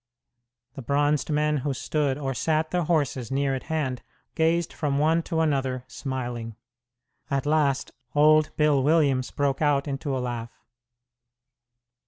The bronzed men who stood or sat their horses near at hand gazed from one to another, smiling, At last old Bill Williams broke out into a laugh.